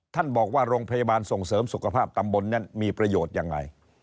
ท่านบอกว่าโรงพยาบาลส่งเสริมสุขภาพตำบลนั้นมีประโยชน์ยังไง